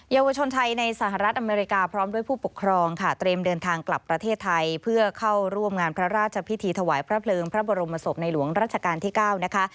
ยาวชนไทยในสหรัฐอเมริกาพร้อมด้วยผู้ปกครองค่ะเตรียมเดินทางกลับประเทศไทยเพื่อเข้าร่วมงานพระราชพิธีถวายพระเพลิงพระบรมศพในหลวงราชการที่๙นะคะ